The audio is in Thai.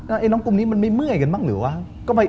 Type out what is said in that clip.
ไอ้น้องกลุ่มนี้มันไม่เมื่อยกันบ้างหรือวะ